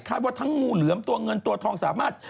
ว่าทั้งงูเหลือมตัวเงินตัวทองสามารถ